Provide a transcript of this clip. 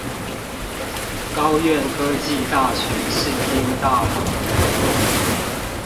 高苑科技大學視聽大樓